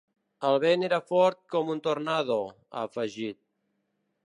El vent era fort com un tornado, ha afegit.